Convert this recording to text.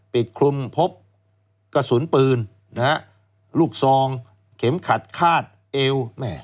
คลุมพบกระสุนปืนนะฮะลูกซองเข็มขัดคาดเอว